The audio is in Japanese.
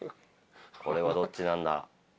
これはどっちなんだ？